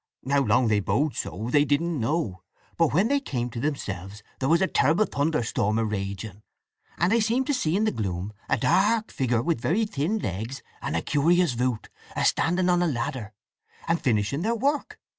How long they bode so they didn't know, but when they came to themselves there was a terrible thunder storm a raging, and they seemed to see in the gloom a dark figure with very thin legs and a curious voot, a standing on the ladder, and finishing their work.